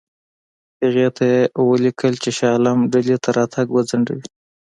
هغې ته یې ولیکل چې شاه عالم ډهلي ته راتګ وځنډوي.